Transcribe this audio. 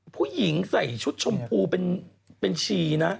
ผู้หญิงใส่ชุดชมพูเป็นชีนะ